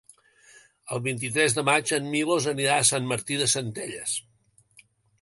El vint-i-tres de maig en Milos anirà a Sant Martí de Centelles.